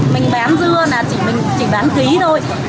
mình bán dưa là chỉ bán ký thôi